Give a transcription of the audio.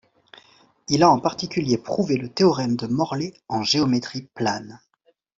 Il a en particulier prouvé le théorème de Morley en géométrie plane.